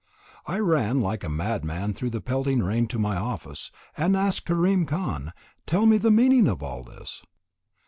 I ran like a mad man through the pelting rain to my office, and asked Karim Khan: "Tell me the meaning of all this!"